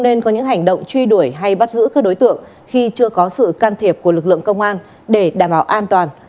nên có những hành động truy đuổi hay bắt giữ các đối tượng khi chưa có sự can thiệp của lực lượng công an để đảm bảo an toàn